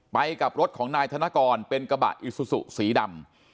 ไปกับรถของนายธนกรเป็นกระบะอิซูซูสีดำ